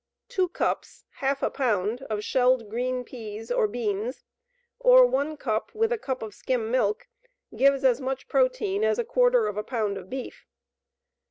Two cups (half a pound) of shelled green peas or beans, or one cup with a cup of skim milk gives as much protein as a quarter of a pound of beef.